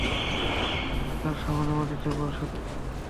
একটি লোক তার সামনে মাটিতে পড়ে ছটফট করছে।